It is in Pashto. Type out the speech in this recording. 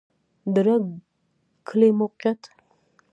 د رګ کلی موقعیت